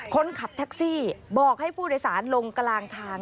คนขับแท็กซี่บอกให้ผู้โดยสารลงกลางทาง